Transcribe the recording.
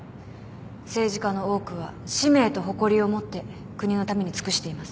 政治家の多くは使命と誇りを持って国のために尽くしています。